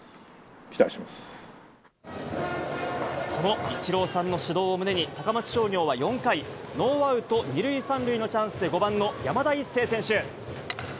そのイチローさんの指導を胸に、高松商業は４回、ノーアウト２塁３塁のチャンスで、５番の山田一成選手。